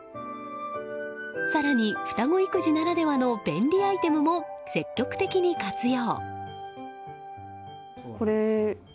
更に、双子育児ならではの便利アイテムも積極的に活用。